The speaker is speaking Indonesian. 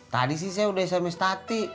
tadi sih saya udah samis tati